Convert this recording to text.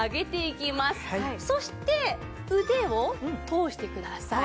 そして腕を通してください。